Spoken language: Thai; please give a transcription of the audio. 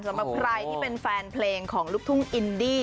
สำหรับใครที่เป็นแฟนเพลงของลูกทุ่งอินดี้